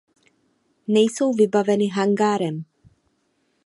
Nejsou vybaveny hangárem.